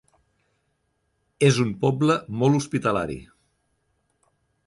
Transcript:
És un poble molt hospitalari.